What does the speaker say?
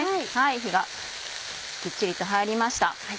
火がきっちりと入りました。